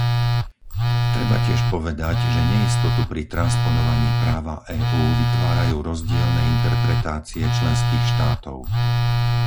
Treba tiež povedať, že neistotu pri transponovaní práva EÚ vytvárajú rozdielne interpretácie členských štátov.